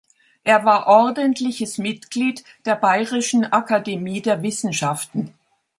Er war ordentliches Mitglied der Bayerischen Akademie der Wissenschaften.